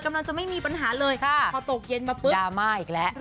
กำลังจะไม่มีปัญหาเลยพอตกเย็นมาปุ๊บดราม่าอีกแล้ว